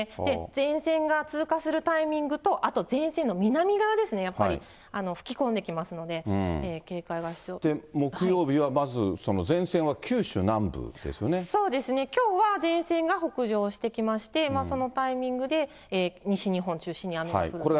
前線が通過するタイミングと、あと前線の南側ですね、やっぱり、吹き込んできますので、警戒が必木曜日はまず前線は九州南部そうですね、きょうは前線が北上してきまして、そのタイミングで西日本中心に雨が降るんです